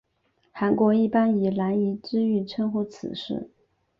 韩国一般以南怡之狱称呼此事。